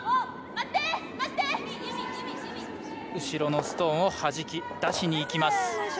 後ろのストーンをはじき出しに行きます。